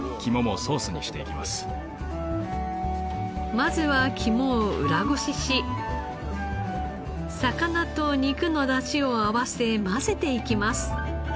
まずは肝を裏ごしし魚と肉のダシを合わせ混ぜていきます。